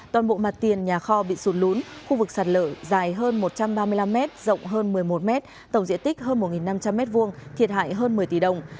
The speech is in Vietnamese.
toàn bộ mặt tiền nhà kho bị sụt lún khu vực sạt lở dài hơn một trăm ba mươi năm m rộng hơn một mươi một m tổng diện tích hơn một năm trăm linh m hai thiệt hại hơn một mươi tỷ đồng